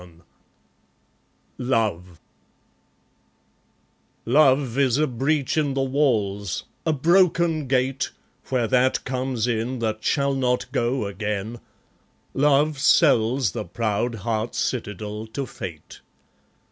Love Love is a breach in the walls, a broken gate, Where that comes in that shall not go again; Love sells the proud heart's citadel to Fate.